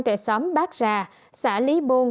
tại xóm bát rà xã lý buôn